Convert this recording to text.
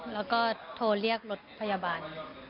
แล้วก็โทรเรียกรถพยาบาล